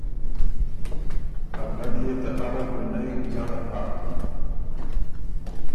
ا ډډ يې ته اره ګُونئ جړ هۀ